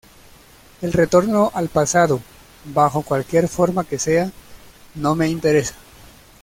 El retorno al pasado, bajo cualquier forma que sea, no me interesa.